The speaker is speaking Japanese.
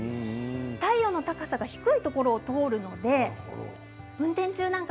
太陽の高さが低いところを通るので運転中